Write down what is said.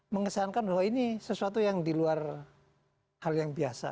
mengesankan bahwa ini sesuatu yang diluar hal yang biasa